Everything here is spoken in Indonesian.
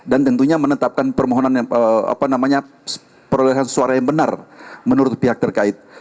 dan tentunya menetapkan permohonan perolahan suara yang benar menurut pihak terkait